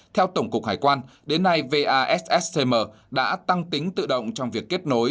theo tổng cục hải quan đến nay vasscm đã tăng tính tự động trong việc kết nối